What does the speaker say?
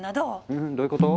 うんどういうこと？